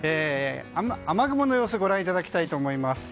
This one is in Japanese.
雨雲の様子をご覧いただきたいと思います。